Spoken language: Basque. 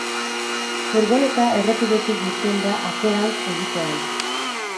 Furgoneta errepidetik irten da atzerantz egitean.